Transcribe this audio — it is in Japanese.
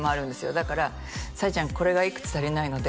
だから「小恵ちゃんこれがいくつ足りないので」